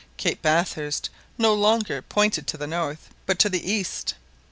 Cape Bathurst no longer pointed to the north, but to the east.